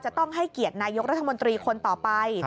จะต้องให้เกียรตินายกรัฐมนตรีคนต่อไป